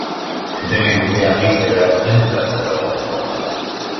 Denek dute argi zer behar duten eta zer daukaten jokoan.